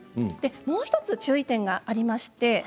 もう１つ注意点があります。